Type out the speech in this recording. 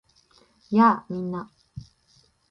やあ！みんな